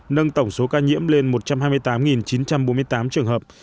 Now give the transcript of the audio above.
nâng tổng số ca nhiễm lên một trăm hai mươi tám chín trăm bốn mươi tám trường hợp